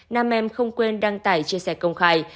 nam em không quên đăng tải chia sẻ công khai